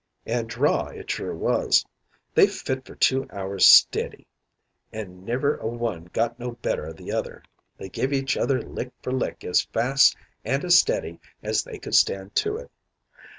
"An' draw it sure was. They fit for two hours stiddy an' never a one got no better o' the other. They give each other lick for lick as fast an' as steady as they could stand to it.